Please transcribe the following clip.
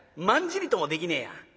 まんじりともできねえや。